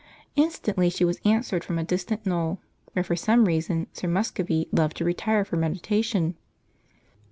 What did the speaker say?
Instantly she was answered from a distant knoll, where for some reason Sir Muscovy loved to retire for meditation.